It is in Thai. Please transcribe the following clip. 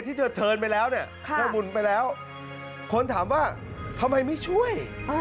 ที่เธอเทินไปแล้วเนี่ยเธอหมุนไปแล้วคนถามว่าทำไมไม่ช่วย